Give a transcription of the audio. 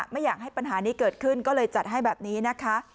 ไม่อยากให้ปัญหานี้เกิดขึ้นก็เลยจัดให้แบบนี้นะคะ